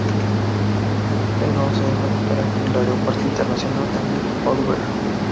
Pero se dejó de operar en el Aeropuerto Internacional Daniel Oduber.